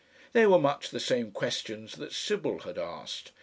They were much the same questions that Sybil had asked.